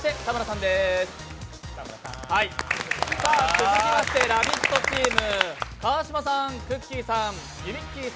続きまして「ラヴィット！」チーム。